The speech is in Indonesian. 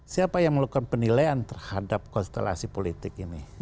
siapa yang melakukan penilaian terhadap konstelasi politik ini